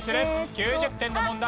９０点の問題。